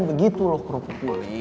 begitu loh krupu krupu